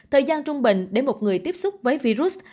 thời gian trung bình để một người tiếp xúc với virus